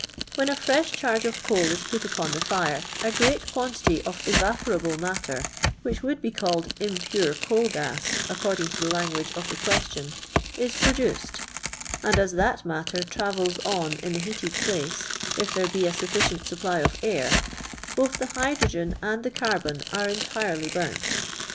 When a fresh charge of coal is put upon the fire, a great quan tity of evaporable matter, which would be called impure coal gas according to the langunge of the question, is produced; and ns that mut ter travels on in the heated place, if there be a sufficient supply of air, both the hydrogen and the carbon are entirely burnt.